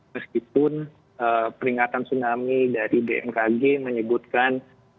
meskipun peringatan tsunami dari bmkg menyebutkan